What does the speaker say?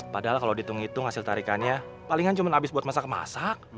padahal kalo ditunggu tunggu hasil tarikannya palingan cuma abis buat masak masak